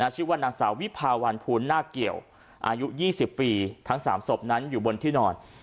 ชื่อว่านางสาววิภาวันภูลหน้าเกี่ยวอายุ๒๐ปีทั้ง๓ศพนั้นอยู่บนที่นอน